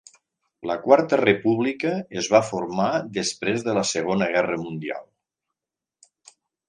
La Quarta República es va formar després de la Segona Guerra Mundial.